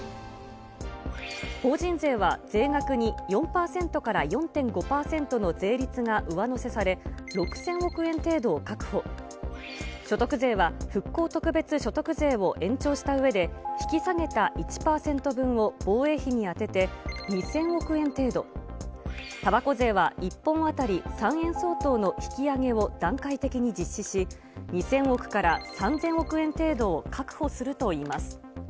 法人税は税額に４％から４．５％の税率が上乗せされ、６０００億円程度を確保、所得税は復興特別所得税を延長したうえで、引き下げた１％分を防衛費に充てて、２０００億円程度、たばこ税は１本当たり３円相当の引き上げを段階的に実施し、２０００億から３０００億円程度を確保するといいます。